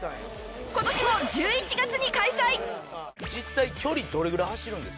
今年も１１月に開催。